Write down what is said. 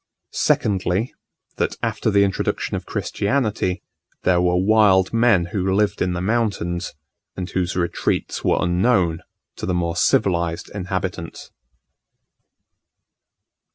Secondly, that after the introduction of Christianity, there were wild men who lived in the mountains, and whose retreats were unknown to the more civilized inhabitants.